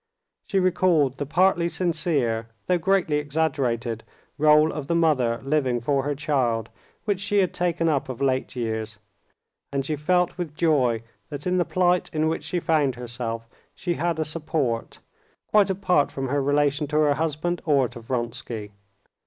She recalled the partly sincere, though greatly exaggerated, rôle of the mother living for her child, which she had taken up of late years, and she felt with joy that in the plight in which she found herself she had a support, quite apart from her relation to her husband or to Vronsky.